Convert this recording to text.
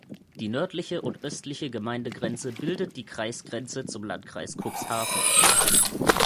Die nördliche und östliche Gemeindegrenze bildet die Kreisgrenze zum Landkreis Cuxhaven.